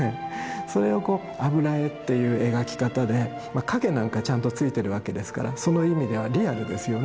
それをこう油絵っていう描き方で陰なんかちゃんとついてるわけですからその意味ではリアルですよね。